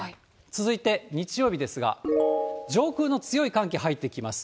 続いて日曜日ですが、上空の強い寒気入ってきます。